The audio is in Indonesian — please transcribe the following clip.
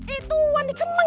ituan di kemang